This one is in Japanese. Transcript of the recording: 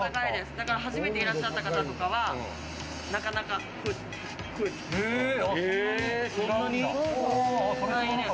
だから初めていらっしゃった方とかはなかなか、うっとなる。